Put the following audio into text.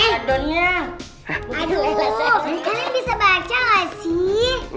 adonnya aduh kalian bisa baca gak sih